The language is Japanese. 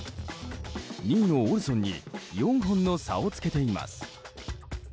２位のオルソンに４本の差をつけています。